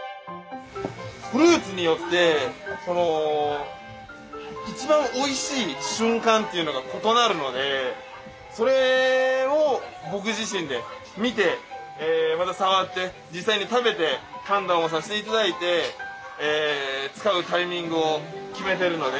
フルーツによってこの一番おいしい瞬間っていうのが異なるのでそれを僕自身で見てまた触って実際に食べて判断をさせていただいて使うタイミングを決めてるので。